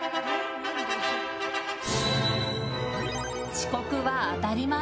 遅刻は当たり前。